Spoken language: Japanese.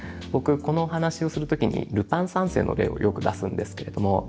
僕このお話をする時に「ルパン三世」の例をよく出すんですけれども。